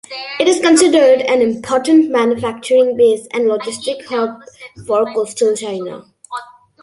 It is considered an important manufacturing base and logistics hub for coastal China.